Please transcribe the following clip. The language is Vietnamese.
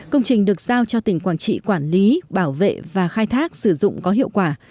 công trình được giao cho tỉnh quảng trị quản lý bảo vệ và khai thác sử dụng có hiệu quả